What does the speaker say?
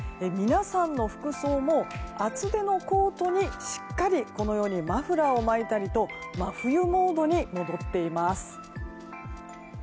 皆さんの服装も厚手のコートにしっかりこのようにマフラーを巻いたりと真冬モードに戻っています。